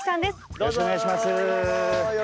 よろしくお願いします。